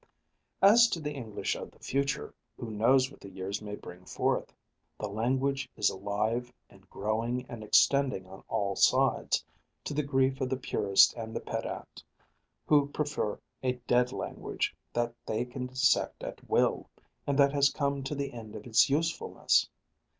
As to the English of the future, who knows what the years may bring forth? The language is alive and growing and extending on all sides, to the grief of the purist and the pedant, who prefer a dead language that they can dissect at will, and that has come to the end of its usefulness.